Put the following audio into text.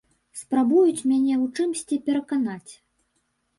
Спрабуюць мяне ў чымсьці пераканаць.